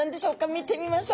見てみましょう。